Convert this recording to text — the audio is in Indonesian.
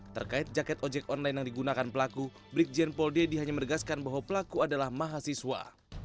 terkait jaket ojek online yang digunakan pelaku brigjen paul dedy hanya meregaskan bahwa pelaku adalah mahasiswa